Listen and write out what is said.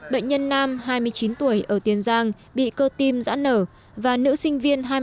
bệnh nhân nam hai mươi chín tuổi ở tiền giang bị cơ tim dã nở và nữ sinh viên